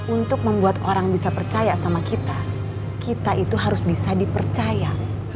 untuk membuat orang bisa percaya sama kita kita itu harus bisa dipercaya